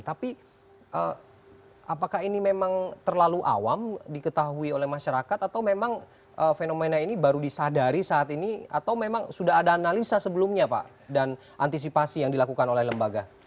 tapi apakah ini memang terlalu awam diketahui oleh masyarakat atau memang fenomena ini baru disadari saat ini atau memang sudah ada analisa sebelumnya pak dan antisipasi yang dilakukan oleh lembaga